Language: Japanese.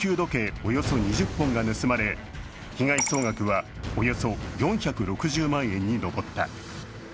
およそ２０本が盗まれ、被害総額はおよそ４６０万円に上った。